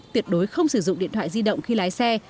tuyệt đối không sử dụng điện thoại di động khi lái xe